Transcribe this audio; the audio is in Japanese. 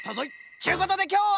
ちゅうことできょうは。